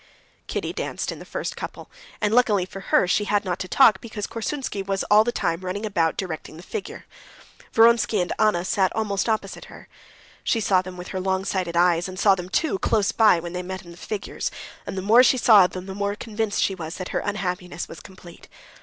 Kitty danced in the first couple, and luckily for her she had not to talk, because Korsunsky was all the time running about directing the figure. Vronsky and Anna sat almost opposite her. She saw them with her long sighted eyes, and saw them, too, close by, when they met in the figures, and the more she saw of them the more convinced was she that her unhappiness was complete.